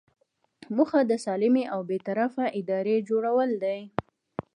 موخه د سالمې او بې طرفه ادارې جوړول دي.